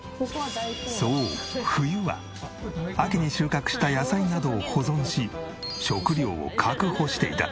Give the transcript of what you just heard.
そう冬は秋に収穫した野菜などを保存し食料を確保していた。